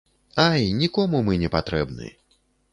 Ай, нікому мы не патрэбны.